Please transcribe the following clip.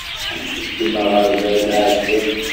Ddem aɣerbal tɛeddiḍ.